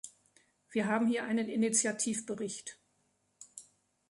Wir haben hier einen Initiativbericht.